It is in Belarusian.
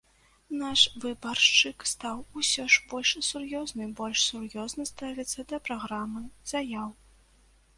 Наш выбаршчык стаў усё ж больш сур'ёзны, больш сур'ёзна ставіцца да праграмы, заяў.